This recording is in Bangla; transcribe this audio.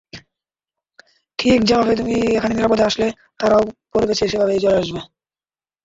ঠিক যেভাবে তুমি এখানে নিরাপদে আসলে, তারাও পরের ব্যাচে সেভাবেই চলে আসবে।